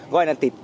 gọi là tịt